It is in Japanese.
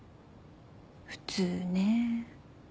普通ね。